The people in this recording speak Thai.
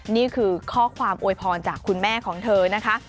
นี่คือข้อความอวยพรจากคุณแม่ของเธอนะคะ